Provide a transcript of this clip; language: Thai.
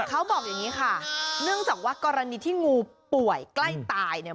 เขาบอกอย่างนี้ค่ะเนื่องจากว่ากรณีที่งูป่วยใกล้ตายเนี่ย